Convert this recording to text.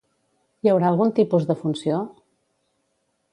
Hi haurà algun tipus de funció?